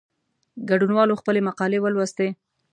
ګډونوالو خپلي مقالې ولوستې.